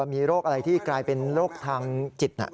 มีโรคอะไรที่กลายเป็นโรคทางจิต